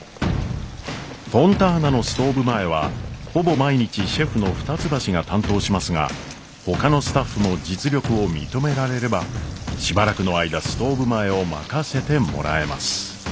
フォンターナのストーブ前はほぼ毎日シェフの二ツ橋が担当しますがほかのスタッフも実力を認められればしばらくの間ストーブ前を任せてもらえます。